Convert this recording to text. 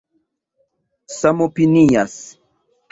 samopinias